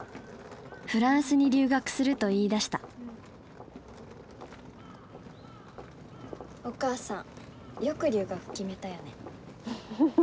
フランスに留学すると言いだしたお母さんよく留学決めたよね。